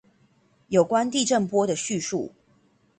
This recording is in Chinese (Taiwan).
有關地震波的敘述